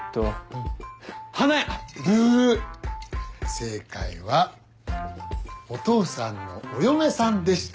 正解はお父さんのお嫁さんでした。